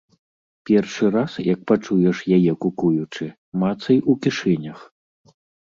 Першы раз, як пачуеш яе кукуючы, мацай у кішэнях.